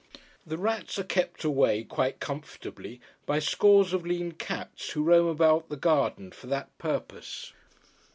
The rats are kept away, quite comfortably, by scores of lean cats, who roam about the garden for that purpose.